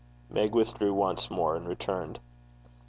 Meg withdrew once more, and returned.